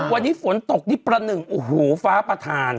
วันนี้ฝนตกนี่ประหนึ่งโอ้โหฟ้าประธาน